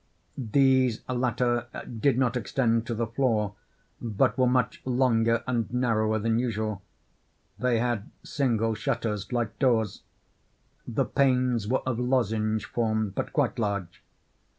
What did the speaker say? These latter did not extend to the floor, but were much longer and narrower than usual—they had single shutters like doors—the panes were of lozenge form, but quite large.